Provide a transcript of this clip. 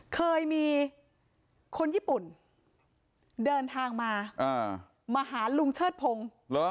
เคยมีคนญี่ปุ่นเดินทางมามาหาลุงเชิดพงศ์